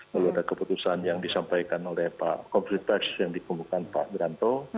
lalu ada keputusan yang disampaikan oleh pak komplitaj yang dikumpulkan pak beranto